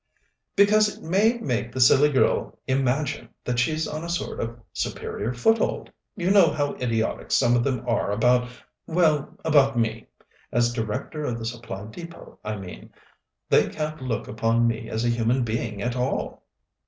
"Because it may make the silly girl imagine that she's on a sort of superior foothold. You know how idiotic some of them are about well, about me as Director of the Supply Depôt, I mean. They can't look upon me as a human being at all."